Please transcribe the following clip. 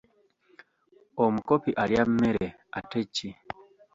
Omukopi alya mmere ate ki?